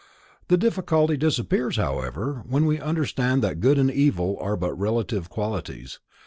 The difficulty disappears, however, when we understand that good and evil are but relative qualities.